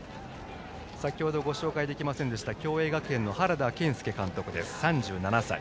先程ご紹介できませんでした共栄学園の原田健輔監督です、３７歳。